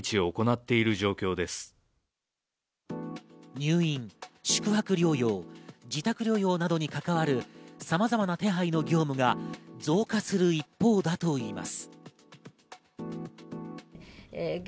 入院、宿泊療養、自宅療養などに関わる様々な手配の業務が増加する一方だといいます。